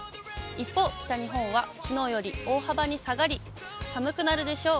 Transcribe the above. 一方、北日本はきのうより大幅に下がり、寒くなるでしょう。